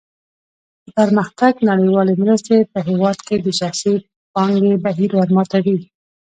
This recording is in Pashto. د پرمختګ نړیوالې مرستې په هېواد کې د شخصي پانګې بهیر ورماتوي.